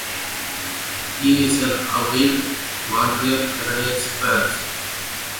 He is an avid Montreal Canadiens fan.